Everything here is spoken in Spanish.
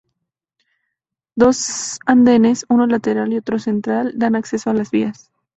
Dos andenes, uno lateral y otro central dan acceso a las vías.